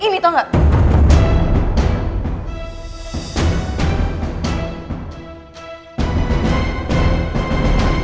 something amat kesana